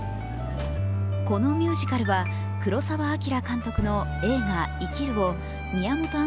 このミュージカルは黒澤明監督の映画「生きる」を宮本亞